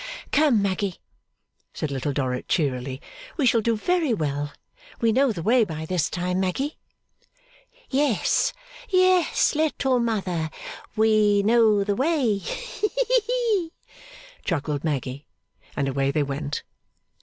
'Come, Maggy,' said Little Dorrit cheerily, 'we shall do very well; we know the way by this time, Maggy?' 'Yes, yes, little mother; we know the way,' chuckled Maggy. And away they went.